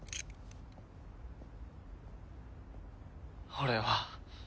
俺は。